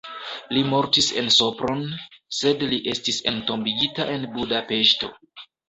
Li mortis en Sopron, sed li estis entombigita en Budapeŝto.